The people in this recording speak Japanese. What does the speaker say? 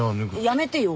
やめてよ。